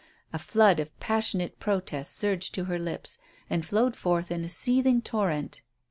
A flood of passionate protest surged to her lips and flowed forth in a seething torrent.